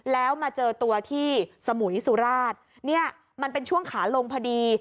แล้วมาเจอตัวที่สมุยสุราชเนี่ยมันเป็นช่วงขาลงพอดี